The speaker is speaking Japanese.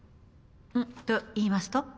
ん？といいますと？